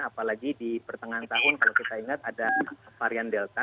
apalagi di pertengahan tahun kalau kita ingat ada varian delta